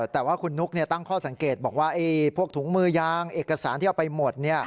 แต่ว่าคุณนุ๊กตั้งข้อสังเกตบอกว่าพวกถุงมือยางเอกสารที่เอาไปหมด